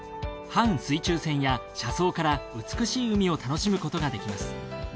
半水中船や車窓から美しい海を楽しむことができます。